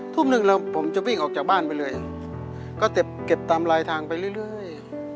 ทุ่มหนึ่งแล้วผมจะวิ่งออกจากบ้านไปเลยก็เก็บตามลายทางไปเรื่อย